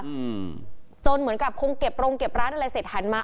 อืมจนเหมือนกับคงเก็บโรงเก็บร้านอะไรเสร็จหันมา